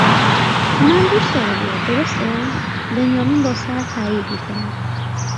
اونم دوست داره بیاد، درسته؟ بنیامین با سر تأیید میکند